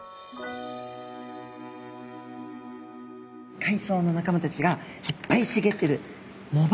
海藻の仲間たちがいっぱい茂ってる藻場。